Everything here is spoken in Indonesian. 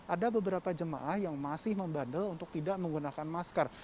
ada beberapa jemaah yang masih membandel untuk tidak menggunakan masker